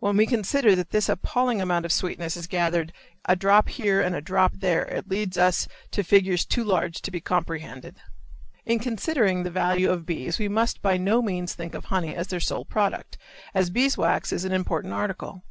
When we consider that this appalling amount of sweetness is gathered a drop here and a drop there it leads us to figures too large to be comprehended. In considering the value of bees we must by no means think of honey as their sole product, as beeswax is an important article.